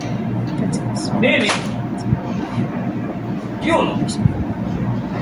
katika sura ya ishirini na tano na nne ya kwamba huyu amesababisha fujo